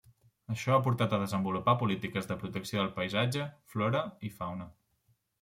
Això ha portat a desenvolupar polítiques de protecció del paisatge, flora i fauna.